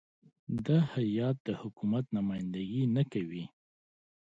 دا هیات د حکومت نمایندګي نه کوي.